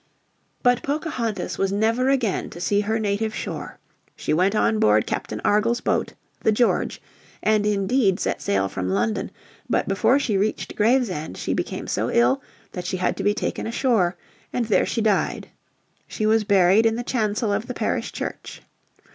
But Pocahontas was never again to see her native shore. She went on board Captain Argall's boat, the George, and indeed set sail from London, but before she reached Gravesend she became so ill that she had to be taken ashore, and there she died. She was buried in the chancel of the Parish Church.